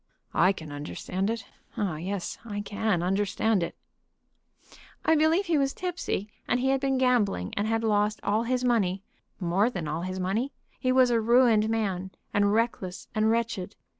"I can understand it; oh yes, I can understand it." "I believe he was tipsy, and he had been gambling, and had lost all his money more than all his money. He was a ruined man, and reckless and wretched.